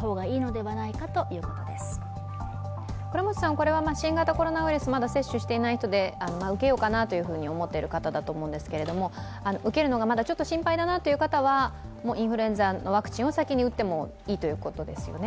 これは新型コロナウイルス、まだ接種していない人で受けようかなと思っている方だと思うんですけど受けるのがまだ心配だなという方はインフルエンザのワクチンを先に打ってもいいということですよね。